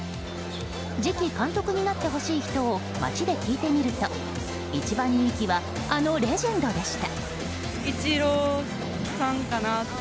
次期監督になってほしい人を街で聞いてみると１番人気はあのレジェンドでした。